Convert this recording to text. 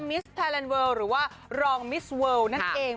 มิสไทยแลนดเวิลหรือว่ารองมิสเวิลนั่นเอง